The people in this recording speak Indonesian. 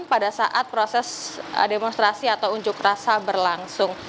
pada saat proses demonstrasi atau unjuk rasa berlangsung